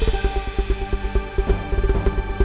dunnya hakdun sih fuan